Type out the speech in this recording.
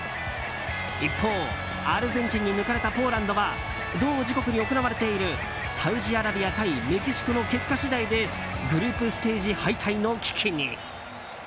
一方、アルゼンチンに抜かれたポーランドは同時刻に行われているサウジアラビア対メキシコの結果次第でグループステージ敗退の危機に。